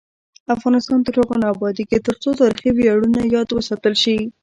افغانستان تر هغو نه ابادیږي، ترڅو تاریخي ویاړونه یاد وساتل شي.